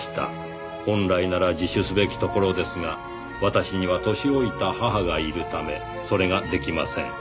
「本来なら自首すべきところですが私には年老いた母がいるためそれが出来ません」